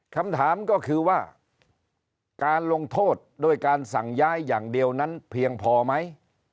คำถามก็คือว่าการลงโทษด้วยการสั่งย้ายอย่างเดียวนั้นเพียงพอไหม